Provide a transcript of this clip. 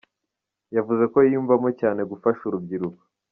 Yavuze ko yiyumvamo cyane gufasha urubyiruko.